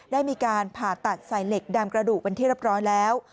ได้มีการผ่าตัดใส่เหล็กดำกระดูกเป็นที่เรียบร้อยแล้ว